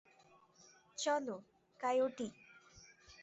চলো, কায়োটি।